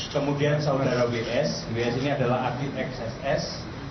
kemudian saudara ws ws ini adalah adik xss